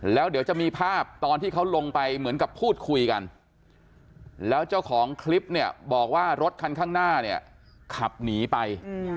แล้วเดี๋ยวจะมีภาพตอนที่เขาลงไปเหมือนกับพูดคุยกันแล้วเจ้าของคลิปเนี่ยบอกว่ารถคันข้างหน้าเนี่ยขับหนีไป